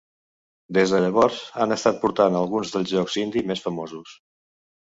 Des de llavors, han estat portant alguns dels jocs indie més famosos.